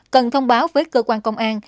cần thông báo với cơ quan công an